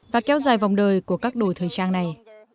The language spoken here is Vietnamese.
và kéo dài vòng đời của các đồ thời trang này